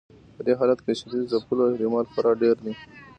په دې حالت کې د شدید ځپلو احتمال خورا ډیر دی.